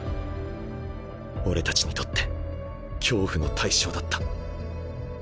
俺たちにとって恐怖の対象だった。